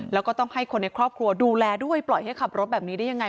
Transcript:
แล้วก็ต้องให้คนในครอบครัวดูแลด้วยปล่อยให้ขับรถแบบนี้ได้ยังไง